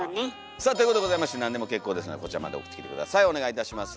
さあということでございまして何でも結構ですのでこちらまで送ってきて下さいお願いいたします。